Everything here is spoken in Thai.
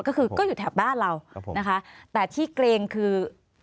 ก็คือก็อยู่แถบบ้านเรานะคะแต่ที่เกรงคือ